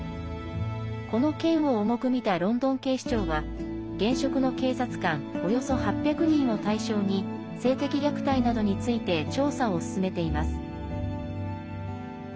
この件を重く見たロンドン警視庁は現職の警察官およそ８００人を対象に性的虐待などについて調査を進めています。